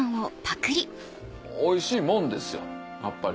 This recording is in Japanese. おいしいもんですよやっぱり。